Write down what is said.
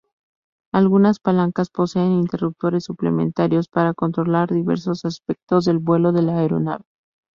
Algunas palancas poseen interruptores suplementarios para controlar diversos aspectos del vuelo de la aeronave.